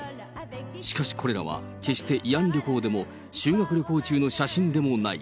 しかしこれらは決して慰安旅行でも、修学旅行中の写真でもない。